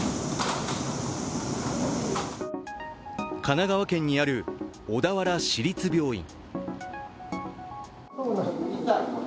神奈川県にある小田原市立病院。